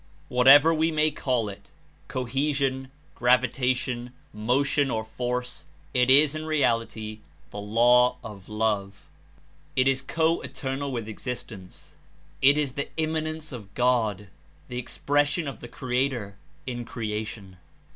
Whatever we may call it, cohesion, gravi The Law tation, motion or force, it is in reality the Law of Love. It is co eternal with ex istence; it is the Immanence of God, the expression of the Creator in creation.